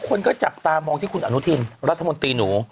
คนก็จับตามองที่คุณอนุทินรัฐมนตรีหนู